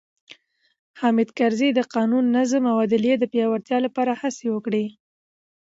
حامد کرزي د قانون، نظم او عدلیې د پیاوړتیا لپاره هڅې وکړې.